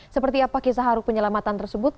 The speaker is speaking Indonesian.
seperti apa kisah haru penyelamatan tersebut